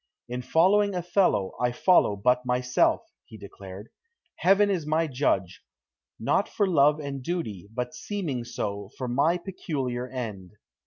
"In following Othello, I follow but myself," he declared. "Heaven is my judge, not for love and duty, but seeming so, for my peculiar end."